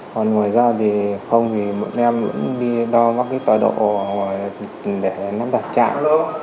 còn ngoài ra thì không một em cũng đi đo các tọa độ để đặt trạng